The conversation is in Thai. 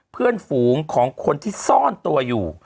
เพื่อนฝูงของคนที่ซ่อนตัวอยู่